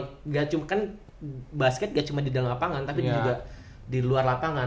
tidak cuma kan basket gak cuma di dalam lapangan tapi juga di luar lapangan